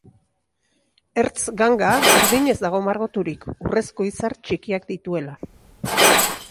Ertz-ganga urdinez dago margoturik, urrezko izar txikiak dituela.